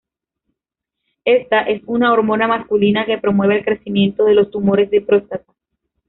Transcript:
Esta, es una hormona masculina que promueve el crecimiento de los tumores de próstata.